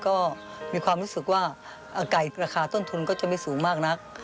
ก็มีความรู้สึกว่าไก่ราคาต้นทุนก็จะไม่สูงมากนัก